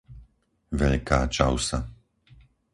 Veľká Čausa